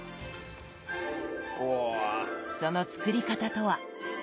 その作り方とは。